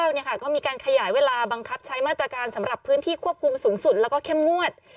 ก็มีการขยายเวลาบังคับใช้มาตรการสำหรับพื้นที่ควบคุมสูงสุดแล้วก็เข้มงวด